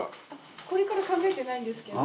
これから考えてないんですけど。